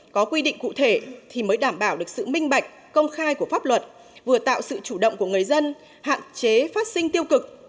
có quy định cụ thể thì mới đảm bảo được sự minh bạch công khai của pháp luật vừa tạo sự chủ động của người dân hạn chế phát sinh tiêu cực